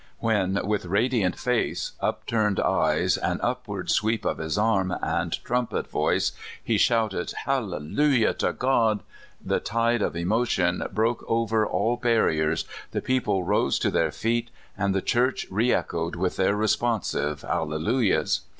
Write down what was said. When, with radiant face, upturned eyes, an upward sweep of his arm, and trumpet voice, he shouted, " Halleluiah to God !" the tide of emotion broke over all barriers, the people rose to their feet, and the church reechoed with their responsive halleluiahs.